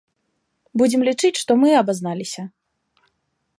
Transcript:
Будзем лічыць, што мы абазналіся.